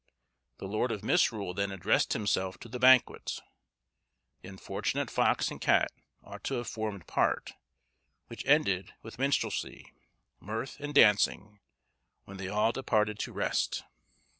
The lord of Misrule then addressed himself to the banquet,—the unfortunate fox and cat ought to have formed part—which ended with minstrelsy, mirth, and dancing; when they all departed to rest.